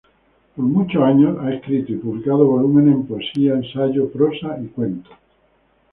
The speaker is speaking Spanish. Por muchos anos ha escrito y publicado volúmenes en poesía, ensayo, prosa, y cuentos.